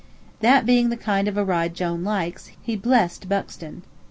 That being the kind of a ride Jone likes, he blessed Buxton.